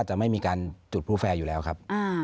จะไม่มีการจุดผู้แฟร์อยู่แล้วครับ